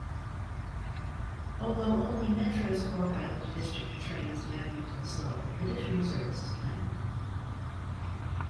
Although only Metra's Rock Island District trains now use LaSalle, additional service is planned.